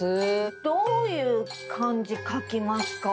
どういう漢字書きますか？